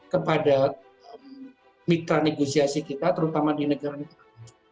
dan kita harus memberikan kemampuan kepada mitra negosiasi kita terutama di negara kita